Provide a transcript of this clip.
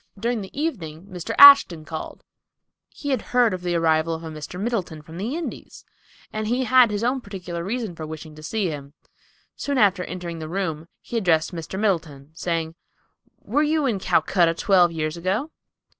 During the evening Mr. Ashton called. He had heard of the arrival of a Mr. Middleton from the Indies, and he had his own particular reason for wishing to see him. Soon after entering the room, he addressed Mr. Middleton, saying, "Were you in Calcutta twelve years ago?"